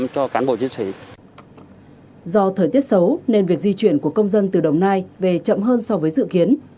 chuyển của công dân từ đồng nai về chậm hơn so với dự kiến